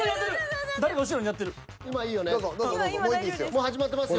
もう始まってますよ。